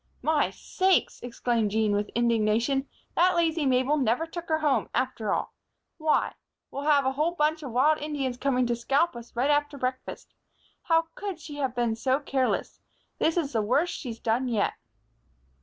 "My sakes!" exclaimed Jean, with indignation, "that lazy Mabel never took her home, after all! Why! We'll have a whole band of wild Indians coming to scalp us right after breakfast! How could she have been so careless. This is the worst she's done yet."